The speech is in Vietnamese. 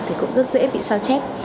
thì cũng rất dễ bị sao chép